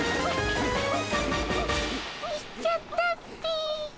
行っちゃったっピ。